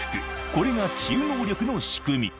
これが治癒能力の仕組み